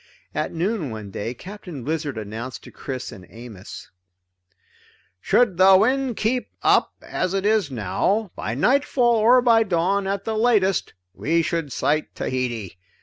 At noon one day Captain Blizzard announced to Chris and Amos: "Should the wind keep up as it is now, by nightfall or by dawn at the latest, we should sight Tahiti.